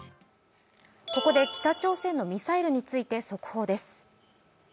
ここで北朝鮮のミサイルについて速報です。